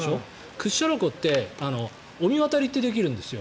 屈斜路湖って御神渡りってできるんですよ。